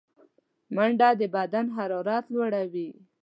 منډه د بدن حرارت لوړوي